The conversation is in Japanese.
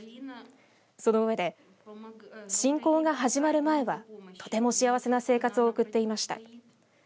その上で侵攻が始まる前はとても幸せな生活を送っていました。